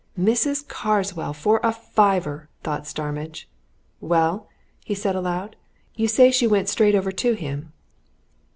"Mrs. Carswell, for a fiver!" thought Starmidge. "Well?" he said aloud. "You say she went straight over to him?"